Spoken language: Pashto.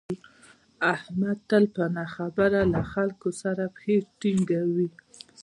احمد تل په نه خبره له خلکو سره پښې ټینگوي.